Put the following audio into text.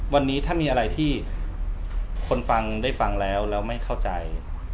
วันนี้ถ้ามีอะไรที่คนฟังได้ฟังแล้วแล้วไม่เข้าใจ